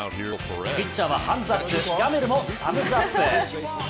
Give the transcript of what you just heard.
ピッチャーはハンズアップ、ギャメルもサムズアップ。